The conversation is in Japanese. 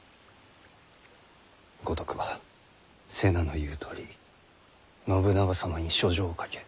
五徳は瀬名の言うとおり信長様に書状を書け。